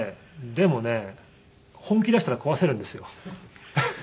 でもね本気出したら壊せるんですよ。